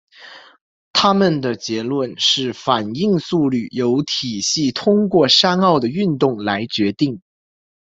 他们的结论是反应速率由体系通过山坳的运动来决定。